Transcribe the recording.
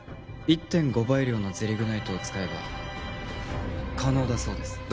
１．５倍量のゼリグナイトを使えば可能だそうです